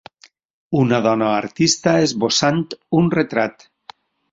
Una dona artista esbossant un retrat.